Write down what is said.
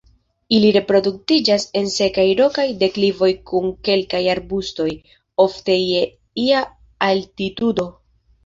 Ili reproduktiĝas en sekaj rokaj deklivoj kun kelkaj arbustoj, ofte je ia altitudo.